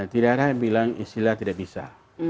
tidak ada yang bilang istilah tidak bisa